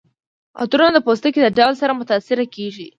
عطرونه د پوستکي د ډول سره متاثره کیږي.